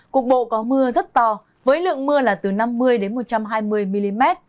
cục bộ có mưa rất to với lượng mưa là từ năm mươi một trăm hai mươi mm